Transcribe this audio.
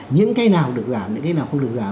những cái nào được giảm những cái nào không được giảm